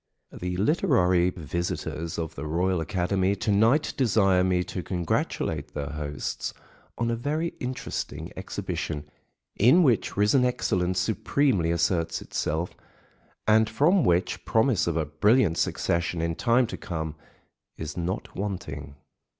The literary visitors of the Royal Academy to night desire me to congratulate their hosts on a very interesting exhibition, in which risen excellence supremely asserts itself, and from which promise of a brilliant succession in time to come is not wanting.